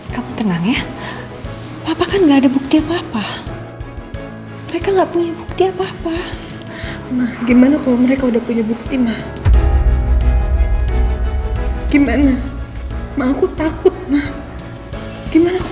sampai jumpa di video selanjutnya